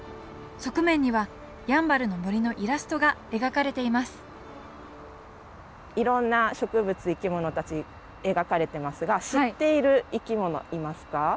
側面にはやんばるの森のイラストが描かれていますいろんな植物生き物たち描かれてますが知っている生き物いますか？